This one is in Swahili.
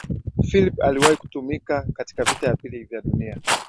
philip aliwahi kutumika katika vita vya pili vya dunia